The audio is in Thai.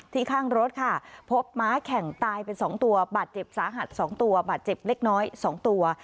ข้างรถค่ะพบม้าแข่งตายเป็น๒ตัวบาดเจ็บสาหัส๒ตัวบาดเจ็บเล็กน้อย๒ตัว